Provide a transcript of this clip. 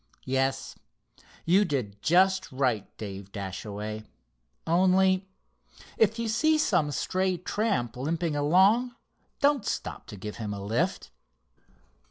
Yes, you did just right, Dave Dashaway; only, if you see some stray tramp limping along, don't stop to give him a lift."